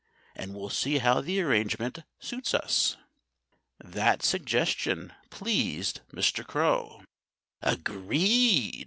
And we'll see how the arrangement suits us." That suggestion pleased Mr. Crow. "Agreed!"